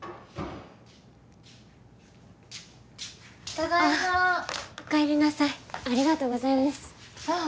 ただいまおかえりなさいありがとうございますああ